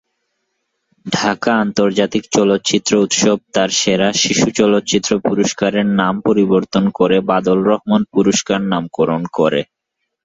ঢাকা আন্তর্জাতিক চলচ্চিত্র উৎসব তার সেরা শিশু চলচ্চিত্র পুরস্কারের নাম পরিবর্তন করে বাদল রহমান পুরস্কার নামকরণ করে।